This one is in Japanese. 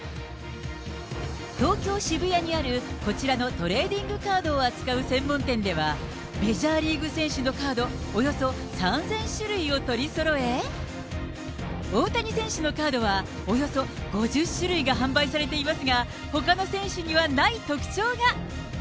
東京・渋谷にあるこちらのトレーディングカードを扱う専門店では、メジャーリーグ選手のカードおよそ３０００種類を取りそろえ、大谷選手のカードは、およそ５０種類が販売されていますが、ほかの選手にはない特徴が。